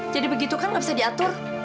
jadi begitu kan gak bisa diatur